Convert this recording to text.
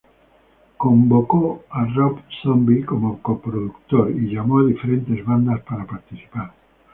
Convocó a Rob Zombie como co-productor, y llamó a diferentes bandas para participar.